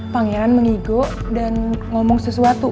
pangeran mengigo dan ngomong sesuatu